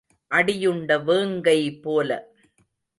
அடியுண்ட வேங்கை போல.